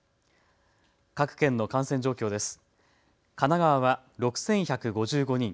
各県の感染状況です。